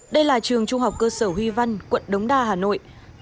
đây là trường trung học cơ sở huy văn quận đống đa hà nội